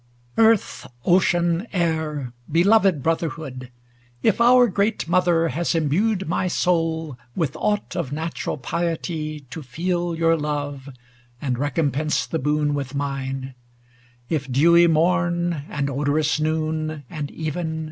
Earth, Ocean, Air, beloved brotherhood! If our great Mother has imbued my soul With aught of natural piety to feel Your love, and recompense the boon with mine; If dewy morn, and odorous noon, and even.